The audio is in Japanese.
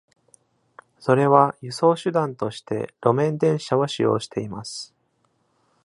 それは輸送手段として路面電車を使用しています。